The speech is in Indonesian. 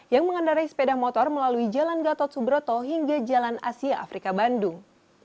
yang mengendarai sepeda motor melalui jalan gatot subroto hingga jalan asia afrika bandung